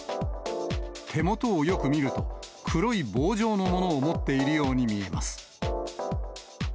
手元をよく見ると、黒い棒状のものを持っているように見えます。